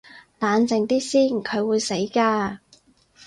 冷靜啲先，佢會死㗎